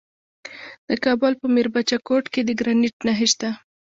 د کابل په میربچه کوټ کې د ګرانیټ نښې شته.